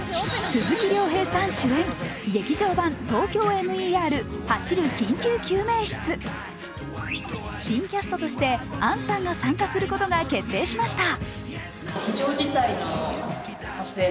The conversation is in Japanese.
鈴木亮平さん主演劇場版「ＴＯＫＹＯＭＥＲ走る緊急救命室」新キャストとして杏さんが参加することが決定しました。